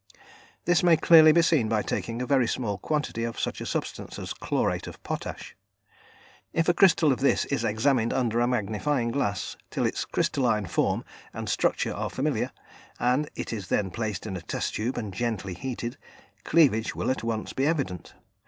This may clearly be seen by taking a very small quantity of such a substance as chlorate of potash. If a crystal of this is examined under a magnifying glass till its crystalline form and structure are familiar, and it is then placed in a test tube and gently heated, cleavage will at once be evident.